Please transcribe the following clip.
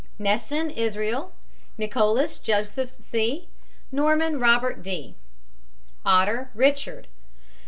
NESSEN, ISRAEL. NICHOLLS, JOSEPH C. NORMAN, ROBERT D. OTTER, RICHARD.